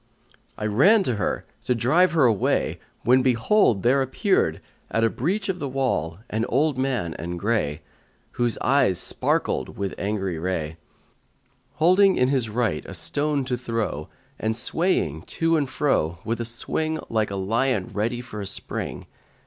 I ran to her, to drive her away, when behold, there appeared, at a breach of the wall, an old man and grey, whose eyes sparkled with angry ray, holding in his right a stone to throw and swaying to and fro, with a swing like a lion ready for a spring.